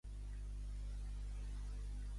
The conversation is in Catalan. "Nombres", Pachyderm Press, Winnipeg.